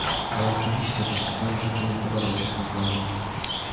Ale oczywiście taki stan rzeczy nie podobał sie handlarzom.